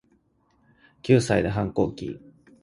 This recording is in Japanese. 九歳で反抗期